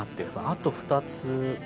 あと２つ。